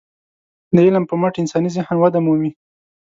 د علم په مټ انساني ذهن وده مومي.